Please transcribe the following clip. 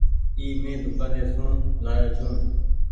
اي مين دوڪآني سون لآيو ڇي۔